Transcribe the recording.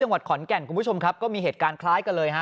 จังหวัดขอนแก่นคุณผู้ชมครับก็มีเหตุการณ์คล้ายกันเลยฮะ